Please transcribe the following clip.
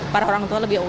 para orang tua lebih umum